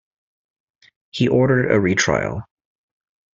He ordered a retrial.